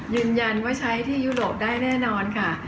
ยืนยันว่าใช้ที่ยุโรปได้แน่นอนค่ะ